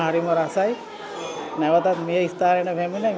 hương vị đặc sản việt nam